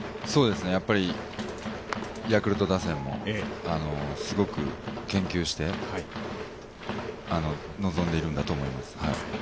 ヤクルト打線もすごく研究して臨んでいるんだと思います。